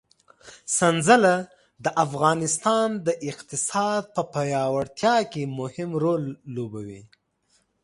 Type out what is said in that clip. سنځله د افغانستان د اقتصاد په پیاوړتیا کې مهم رول لوبوي.